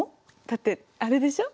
だってあれでしょ？